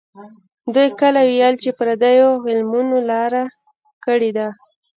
دوی کله ویل چې پردیو علمونو لاره کړې ده.